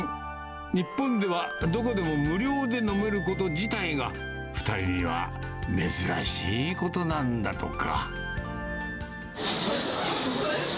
日本ではどこでも無料で飲めること自体が、２人には珍しいことなんだとか。